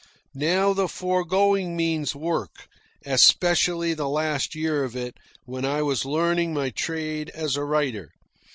Now the foregoing means work, especially the last year of it, when I was learning my trade as a writer.